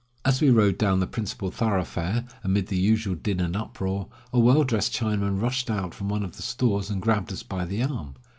As we rode down the principal thoroughfare, amid the usual din and uproar, a well dressed Chinaman rushed out from one of the stores and grabbed us by the arm.